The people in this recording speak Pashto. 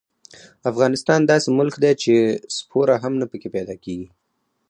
افغانستان داسې ملک دې چې سپوره هم نه پکې پیدا کېږي.